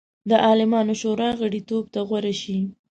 د عالمانو شورا غړیتوب ته غوره شي.